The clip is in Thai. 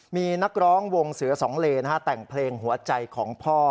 มีนักร้องวงเสือสองเลนแต่งเพลงหัวใจของพ่อ